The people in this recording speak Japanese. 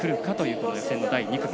この予選の第２組。